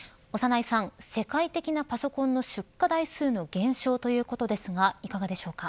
世界的なパソコンの出荷台数の減少ということですがいかがでしょうか。